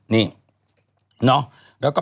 นี่เนาะ